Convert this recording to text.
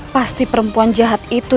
pasti perempuan jahat itu